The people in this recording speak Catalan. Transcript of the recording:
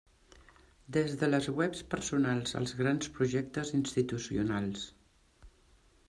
Des de les webs personals als grans projectes institucionals.